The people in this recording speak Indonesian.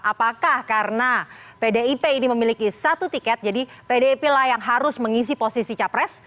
apakah karena pdip ini memiliki satu tiket jadi pdip lah yang harus mengisi posisi capres